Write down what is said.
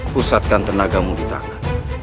pusatkan tenagamu di tangan